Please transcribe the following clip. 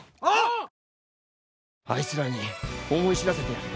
あいつらに思い知らせてやる。